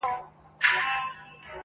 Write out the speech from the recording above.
و خوره هم خوړل دي، ونغره هم خوړل دي.